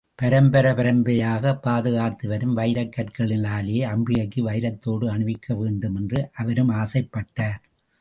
பரம்பரை பரம்பரையாகப் பாதுகாத்து வரும் வைரக் கற்களினாலேயே அம்பிகைக்கு வைரத்தோடு அணிவிக்க வேண்டும் என்று அவரும் ஆசைப்பட்டார்.